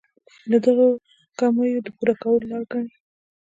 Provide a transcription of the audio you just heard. د دغو کمیو د پوره کولو لاره ګڼي.